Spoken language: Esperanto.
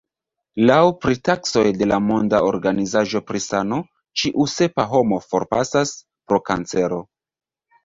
Laŭ pritaksoj de la Monda Organizaĵo pri Sano ĉiu sepa homo forpasas pro kancero.